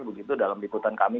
begitu dalam liputan kami